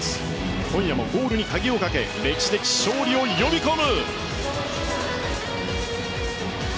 今夜もゴールに鍵をかけ歴史的勝利を呼び込む。